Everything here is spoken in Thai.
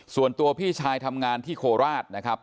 ส่วนตัวพี่ชายทำงานที่โคราชนะครับ